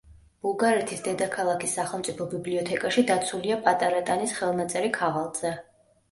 ბულგარეთის დედაქალქის სახელმწიფო ბიბლიოთეკაში დაცულია პატარა ტანის ხელნაწერი ქაღალდზე.